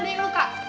ada yang luka